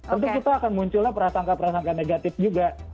tentu kita akan munculnya perasaan perasaan negatif juga